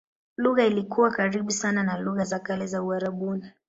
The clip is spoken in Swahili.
Lugha ilikuwa karibu sana na lugha za kale za Uarabuni.